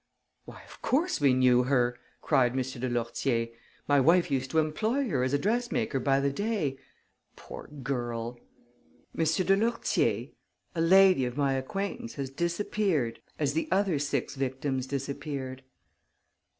"Why, of course we knew her!" cried M. de Lourtier. "My wife used to employ her as a dressmaker by the day. Poor girl!" "M. de Lourtier, a lady of my acquaintance has disappeared as the other six victims disappeared."